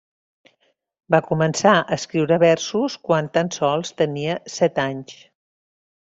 Va començar a escriure versos quan tan sols tenia set anys.